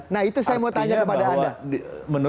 nah itu saya mau tanya kepada anda